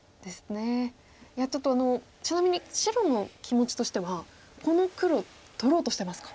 いやちょっとちなみに白の気持ちとしてはこの黒取ろうとしてますか？